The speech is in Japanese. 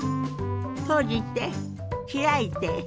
閉じて開いて。